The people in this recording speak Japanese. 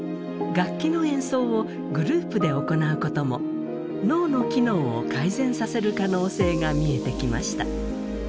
楽器の演奏をグループで行うことも脳の機能を改善させる可能性が見えてきました。